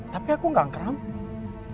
tapi aku gak ngerampok